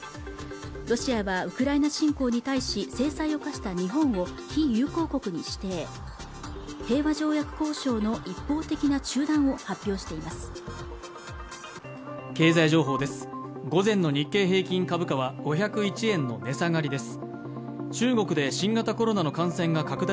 ロシアはウクライナ侵攻に対し制裁を科した日本を非友好国に指定平和条約交渉の一方的な中断を発表しています